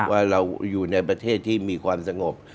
ว่าเราอยู่ในประเทศที่มีความสงบ